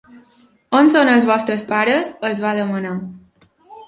On són els vostres pares? —els va demanar.